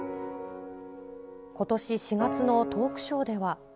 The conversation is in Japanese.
ことし４月のトークショーでは。